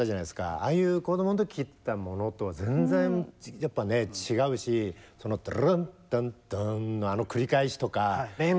ああいう子供の時聴いてたものとは全然やっぱねぇ違うしそのドゥルルンダンダンのあの繰り返しとか。